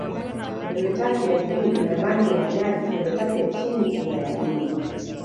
Pembetatu ya juu ina rangi ya majani, pembetatu ya chini ni ya buluu.